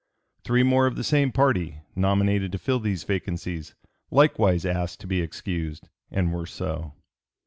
Three more of the same party, nominated to fill these vacancies, likewise asked to be excused, and were so.